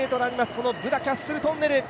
このブダ・キャッスル・トンネル